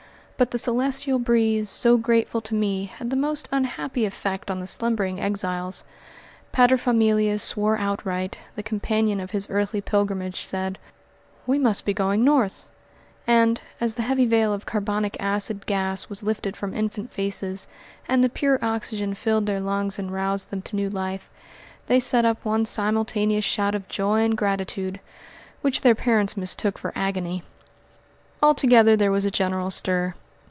But the celestial breeze, so grateful to me, had the most unhappy effect on the slumbering exiles. Paterfamilias swore outright; the companion of his earthly pilgrimage said, "We must be going north," and, as the heavy veil of carbonic acid gas was lifted from infant faces, and the pure oxygen filled their lungs and roused them to new life, they set up one simultaneous shout of joy and gratitude, which their parents mistook for agony. Altogether there was a general stir.